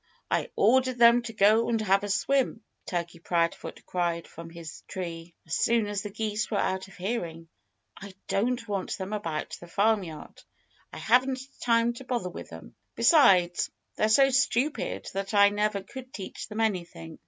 "I ordered them to go and have a swim," Turkey Proudfoot cried from his tree, as soon as the geese were out of hearing. "I don't want them about the farmyard. I haven't time to bother with them. Besides, they're so stupid that I never could teach them anything.